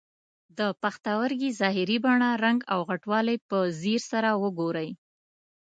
د پښتورګي ظاهري بڼه، رنګ او غټوالی په ځیر سره وګورئ.